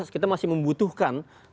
kita masih membutuhkan